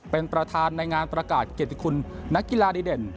เป็นประธานในงานประกาศเกียรติคุณนักกีฬาดีเด่น